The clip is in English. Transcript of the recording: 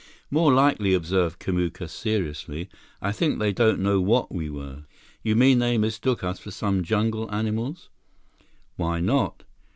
"More likely," observed Kamuka seriously, "I think they don't know what we were." "You mean they mistook us for some jungle animals?" "Why not?